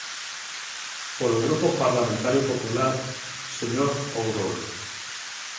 Polo Grupo Parlamentario Popular, señor Ourol.